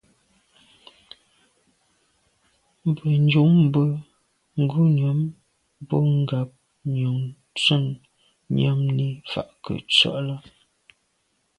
Mbwe njùmbwe ngùnyàm bo ngab Njon tshen nyàm ni fa ke ntsw’a là’.